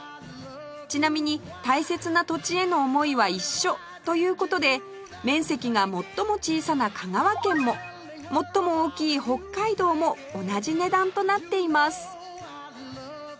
ちなみに大切な土地への思いは一緒という事で面積が最も小さな香川県も最も大きい北海道も同じ値段となっています